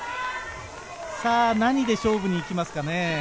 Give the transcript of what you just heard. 何で勝負に行きますかね。